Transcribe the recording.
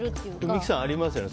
三木さん、ありますよね。